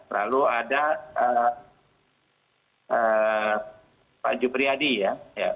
lalu ada pak jupriyadi ya